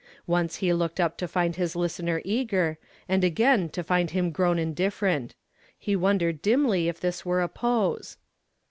Once he looked up to find his listener eager, and again to find him grown indifferent. He wondered dimly if this were a pose.